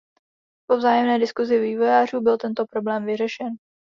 Po vzájemné diskusi vývojářů byl tento problém vyřešen.